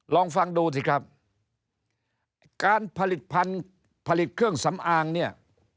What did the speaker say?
ลองฟังดูสิครับการผลิตภัณฑ์ผลิตเครื่องสำอางเนี่ย